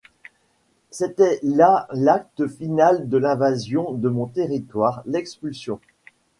C’était là l’acte final de l’invasion de mon territoire : l’expulsion.